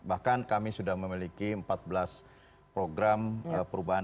bahkan kami sudah memiliki empat belas program perubahan